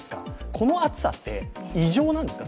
この暑さって、異常なんですか？